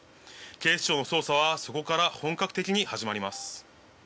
警視庁の捜査はそこから本格的に始まります。